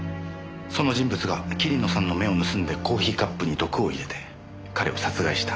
その人物が桐野さんの目を盗んでコーヒーカップに毒を入れて彼を殺害した。